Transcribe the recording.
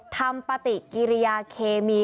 ทำปฏิกิริยาเคมี